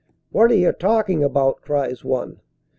"What re you talking about?" cries one.